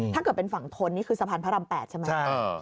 ถ้าเกิดเป็นฝั่งทนนี่คือสะพานพระราม๘ใช่ไหม